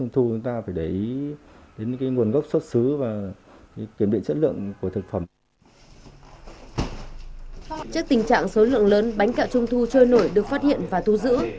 trước tình trạng số lượng lớn bánh kẹo trung thu trôi nổi được phát hiện và thu giữ